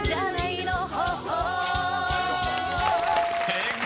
［正解！